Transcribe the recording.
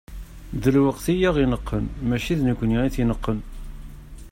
D lweqt i aɣ-ineqqen, mačči d nekkni i t-ineqqen.